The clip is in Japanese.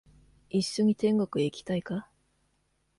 一緒に天国へ行きたいか？